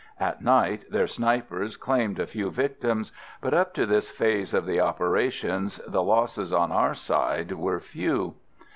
At night their snipers claimed a few victims, but up to this phase of the operations the losses on our side were few.